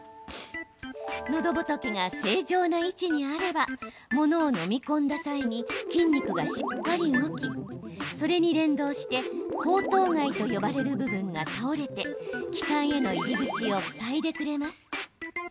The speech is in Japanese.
のどぼとけが正常な位置にあればものを飲み込んだ際に筋肉がしっかり動きそれに連動して喉頭蓋と呼ばれる部分が倒れて気管への入り口を塞いでくれます。